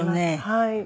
はい。